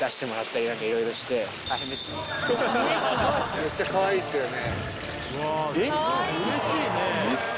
めっちゃかわいいっすよね。